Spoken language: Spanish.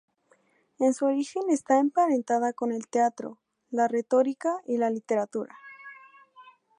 En su origen está emparentada con el teatro, la retórica, y la literatura.